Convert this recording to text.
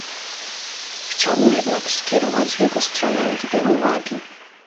Chciałbym jednak skierować w jego stronę dwie uwagi